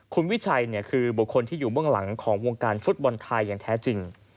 คุณวิชัยคือบุคคลที่อยู่เบื้องหลังของวงการฟุตบอลไทยอย่างแท้จริง